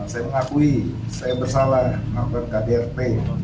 saya mengakui saya bersalah melakukan kdrp